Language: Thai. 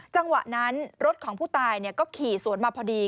จังหวะนั้นรถของผู้ตายก็ขี่สวนมาพอดี